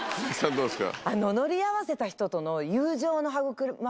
どうですか？